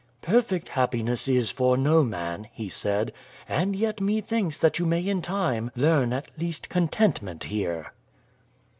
"Perfect happiness is for no man," he said, "and yet methinks that you may in time learn at least contentment here."